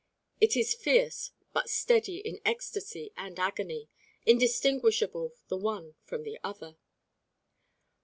It is fierce but steady in ecstacy and agony, indistinguishable the one from the other.